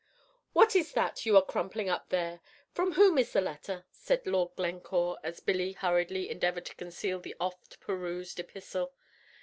"What is that you are crumpling up there? From whom is the letter?" said Lord Glencore, as Billy hurriedly endeavored to conceal the oft perused epistle.